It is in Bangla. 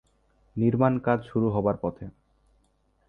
নির্মাণ কাজ শুরু হবার পথে।